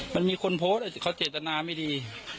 มันมีคนโพสต์เขาเจตนาไม่ดี